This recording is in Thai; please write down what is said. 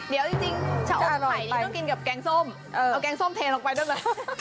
เดี๋ยวจริงถ้าเอาไข่นี้ต้องกินกับแกงส้ม